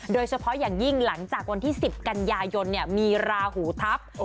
โดยเฉพาะอย่างยิ่งหลังจากวันที่๑๐กันยายนมีราหูทัพ